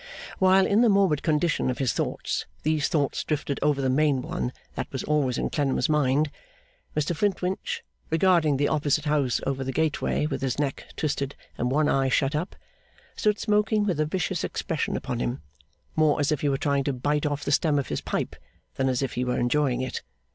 While, in the morbid condition of his thoughts, these thoughts drifted over the main one that was always in Clennam's mind, Mr Flintwinch, regarding the opposite house over the gateway with his neck twisted and one eye shut up, stood smoking with a vicious expression upon him; more as if he were trying to bite off the stem of his pipe, than as if he were enjoying it.